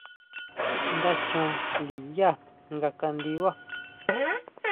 Nda chon ndinyá nga kandibá.